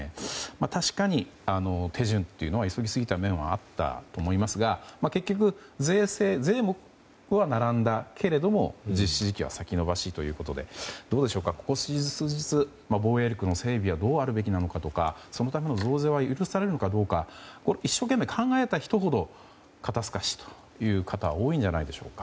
確かに手順というのは急ぎすぎた面はあったと思いますが結局、税目は並んだけれども実施時期は先延ばしということでここ数日、防衛力の整備はどうあるべきなのかとかそのための増税は許されるのかどうかを一生懸命考えた人ほど肩透かしという方は多いんじゃないでしょうか。